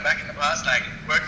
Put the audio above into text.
bekerja keras main keras